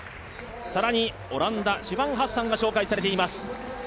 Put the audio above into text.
更にオランダのシファン・ハッサンが紹介されています。